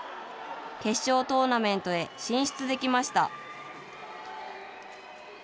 決勝トーナメントへ進出できました。